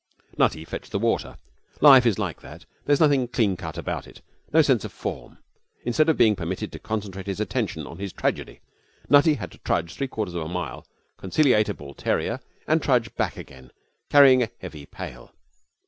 Nutty fetched the water. Life is like that. There is nothing clean cut about it, no sense of form. Instead of being permitted to concentrate his attention on his tragedy Nutty had to trudge three quarters of a mile, conciliate a bull terrier, and trudge back again carrying a heavy pail.